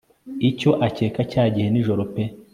icyo acyeka cyagihe nijoro pe